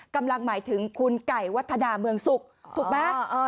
หมายถึงคุณไก่วัฒนาเมืองสุขถูกไหม